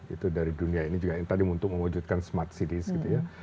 itu dari dunia ini juga yang tadi untuk mewujudkan smart cities gitu ya